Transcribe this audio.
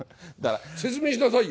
説明しなさいよ。